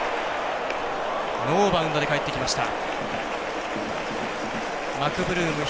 ノーバウンドで返ってきました。